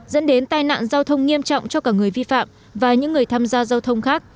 dẫn đến tai nạn giao thông nghiêm trọng cho cả người vi phạm và những người tham gia giao thông khác